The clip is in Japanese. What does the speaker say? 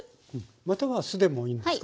または酢でもいいんですか？